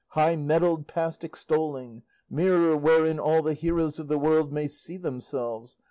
high mettled past extolling! Mirror, wherein all the heroes of the world may see themselves!